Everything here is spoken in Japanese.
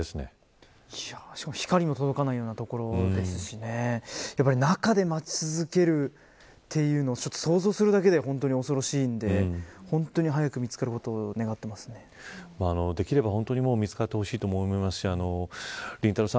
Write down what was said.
しかも、光が届かないような所ですしね中で待ち続けるというのは想像するだけで恐ろしいので早く見つかることをできれば見つかってほしいと思いますしりんたろー。